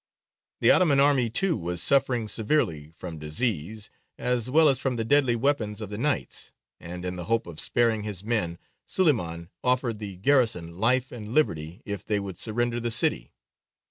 The Ottoman army too was suffering severely, from disease, as well as from the deadly weapons of the Knights, and in the hope of sparing his men Suleymān offered the garrison life and liberty if they would surrender the city.